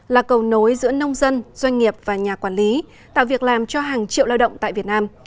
là cầu nối giữa nông dân doanh nghiệp và nhà quản lý tạo việc làm cho hàng triệu lao động tại việt nam